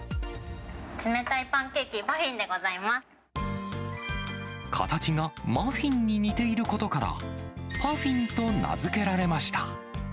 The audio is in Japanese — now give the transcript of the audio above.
冷たいパンケーキ、パフィン形がマフィンに似ていることから、パフィンと名付けられました。